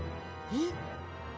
えっ？